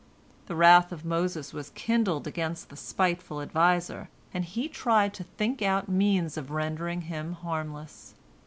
The wrath of Moses was kindled against the spiteful adviser, and he tried to think out means of rendering him harmless.